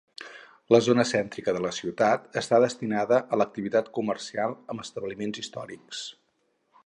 La zona cèntrica de la ciutat està destinada a l'activitat comercial amb establiments històrics.